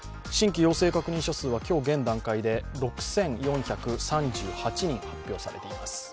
新規陽性者数数は現段階で６４３８人発表されています。